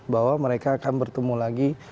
bahwa mereka akan bertemu lagi